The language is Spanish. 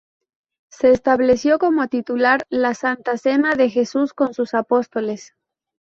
Se estableció como titular la Santa Cena de Jesús con sus apóstoles.